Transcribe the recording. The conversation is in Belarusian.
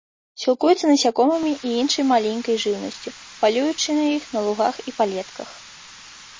Сілкуецца насякомымі і іншай маленькай жыўнасцю, палюючы на іх на лугах і палетках.